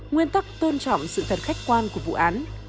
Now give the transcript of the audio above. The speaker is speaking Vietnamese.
nguyên tắc tôn trọng sự thật khách quan của vụ án